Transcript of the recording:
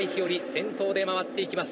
先頭でまわっていきます。